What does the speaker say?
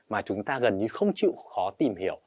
mà chúng ta gần như không chịu khó tìm hiểu